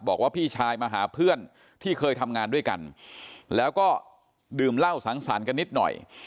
บอกว่าพี่ชายมาหาเพื่อนที่เคยทำงานด้วยกันแล้วก็ดื่มเหล้าสังสรรค์กันนิดหน่อย